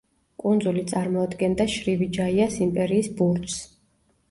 კუნძული წარმოადგენდა შრივიჯაიას იმპერიის ბურჯს.